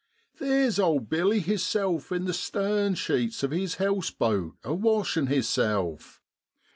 Theer's old Billy hisself in the stern sheets of his houseboat, a washin' hisself.